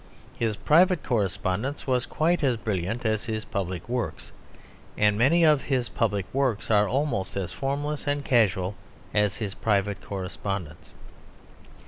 His private correspondence was quite as brilliant as his public works; and many of his public works are almost as formless and casual as his private correspondence.